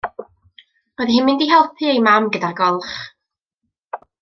Roedd hi'n mynd i helpu ei mam gyda'r golch.